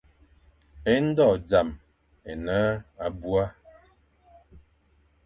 É ndo zam é ne abua.